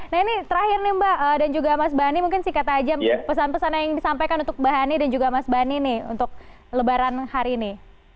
nah ini terakhir nih mbak dan juga mas bani mungkin singkat aja pesan pesan yang disampaikan untuk mbak hani dan juga mas bani nih untuk lebaran hari ini